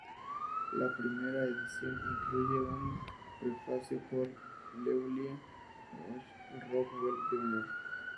La primera edición incluye un prefacio por Llewellyn H. Rockwell, Jr.